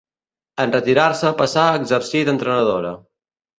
En retirar-se passà a exercir d'entrenadora.